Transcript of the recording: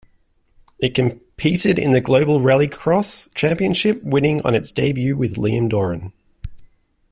It competed in the Global Rallycross Championship winning on its debut with Liam Doran.